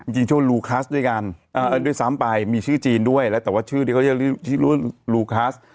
จริงชื่อว่าลูคลัสด้วยกันด้วยซ้ำไปมีชื่อจีนด้วยแล้วแต่ว่าชื่อที่เขาจะเรียกชื่อลูคัส